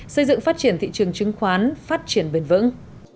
xây dựng phát triển thị trường chứng khoán phát triển bền vững